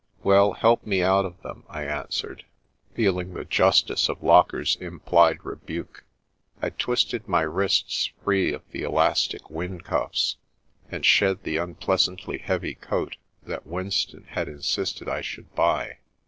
" Well, help me out of them," I answered, feel ing the justice of Locker's implied rebuke. I twisted my wrists free of the elastic wind cuffs, and shed the unpleasantly heavy coat that Winston had in sisted I should buy.